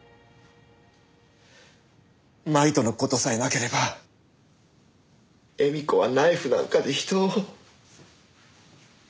麻衣との事さえなければ絵美子はナイフなんかで人を。